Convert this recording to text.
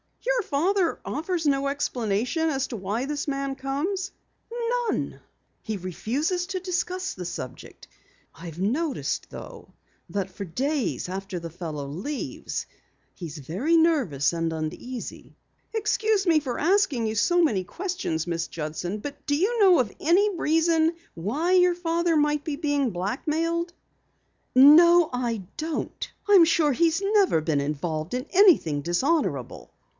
"Your father offers no explanation as to why the man comes?" "None. He refuses to discuss the subject. I've noticed, though, that for days after the fellow leaves he's very nervous and uneasy." "Excuse me for asking so many questions, Miss Judson, but do you know of any reason why your father might be blackmailed?" "No, I don't. I am sure he's never been involved in anything dishonorable."